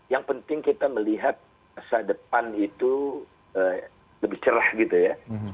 yang penting kita melihat masa depan itu lebih cerah gitu ya